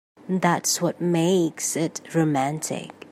That's what makes it romantic.